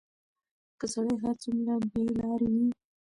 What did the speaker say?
که سړى هر څومره بېلارې وي،